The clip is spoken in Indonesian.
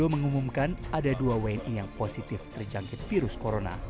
mengumumkan ada dua wni yang positif terjangkit virus corona